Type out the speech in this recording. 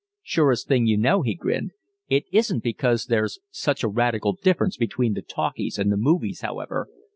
"Surest thing you know," he grinned. "It isn't because there's such a radical difference between the 'talkies' and the movies, however."